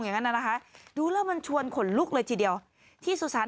อย่างนั้นน่ะนะคะดูแล้วมันชวนขนลุกเลยทีเดียวที่สุสาน